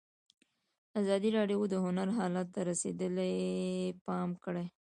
ازادي راډیو د هنر حالت ته رسېدلي پام کړی.